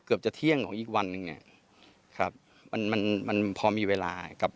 คดีนี้เรื่องต้นก็น่าจะมีม้วนเหตุ